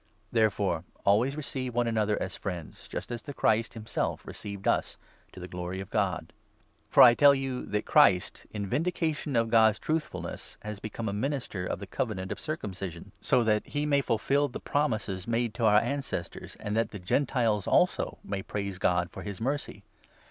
Therefore always receive one another as friends, 7 the R^eption just as tne Christ himself received us, to the glory of the of God. For I tell you that Christ, in vindication 8 Gentiles. of GOC}'S truthfulness, has become a minister of the Covenant of Circumcision, so that he may fulfil the promises 3 Ps. 69. 9. 372 ROMANS, 15. made to our ancestors, and that the Gentiles also may praise 9 God for his mercy.